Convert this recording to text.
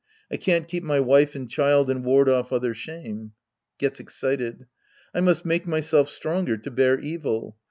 I can't keep my wife and child and ward off other shame. ■ {Gets excited.^ I must make myself stronger to bear evil.